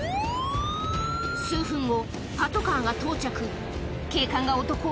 数分後、パトカーが到着。